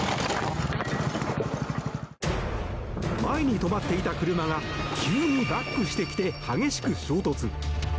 前に止まっていた車が急にバックしてきて激しく衝突。